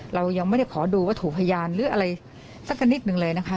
เรายังไม่ได้ขอดูวัตถุพยานหรืออะไรสักนิดหนึ่งเลยนะคะ